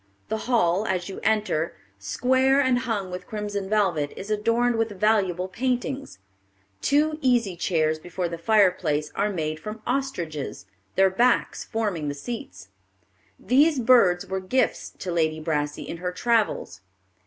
The hall, as you enter, square and hung with crimson velvet, is adorned with valuable paintings. Two easy chairs before the fireplace are made from ostriches, their backs forming the seats. These birds were gifts to Lady Brassey in her travels.